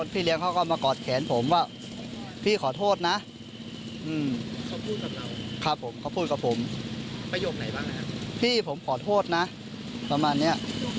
พี่ผมขอโทษนะประมาณนี้